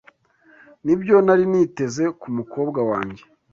Nibyo nari niteze kumukobwa wanjye.